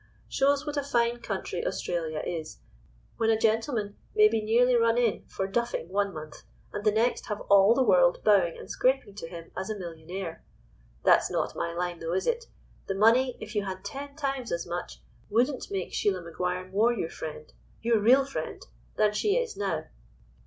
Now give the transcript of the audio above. "Shows what a fine country Australia is, when a gentleman may be nearly run in for 'duffing' one month, and the next have all the world bowing and scraping to him as a millionaire! That's not my line, though, is it? The money, if you had ten times as much, wouldn't make Sheila Maguire more your friend—your real friend—than she is now.